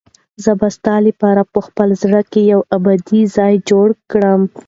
زه به ستا لپاره په خپل زړه کې یو ابدي ځای جوړ کړم.